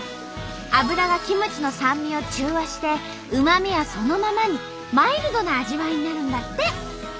油がキムチの酸味を中和してうま味はそのままにマイルドな味わいになるんだって。